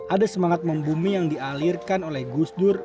ada semangat membumi yang dialirkan oleh gusdur